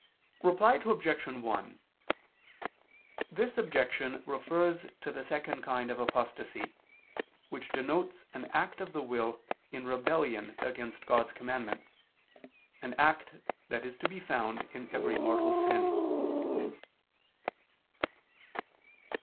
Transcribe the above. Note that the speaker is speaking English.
Reply Obj. 1: This objection refers to the second kind of apostasy, which denotes an act of the will in rebellion against God's commandments, an act that is to be found in every mortal sin.